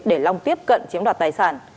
để long tiếp cận chiếm đoạt tài sản